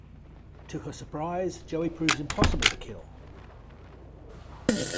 To her surprise, Joey proves impossible to kill.